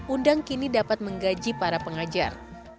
undang kini dapat menggaji para pengajar